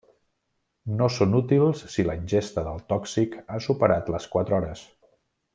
No són útils si la ingesta del tòxic ha superat les quatre hores.